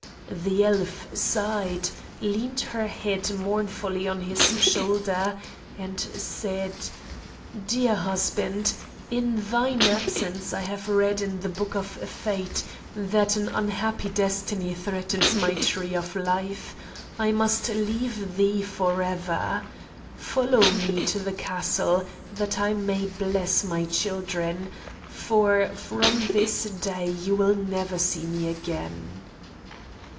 The elf sighed, leaned her head mournfully on his shoulder, and said: "Dear husband, in thine absence I have read in the book of fate, that an unhappy destiny threatens my tree of life; I must leave thee for ever. Follow me to the castle, that I may bless my children, for from this day you will never see me again."